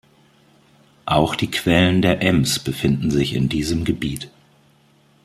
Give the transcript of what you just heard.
Auch die Quellen der Ems befinden sich in diesem Gebiet.